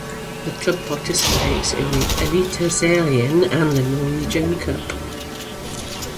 The club participates in the Eliteserien and the Norwegian Cup.